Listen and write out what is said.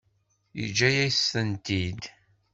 Yeǧǧa-yas-tent-id.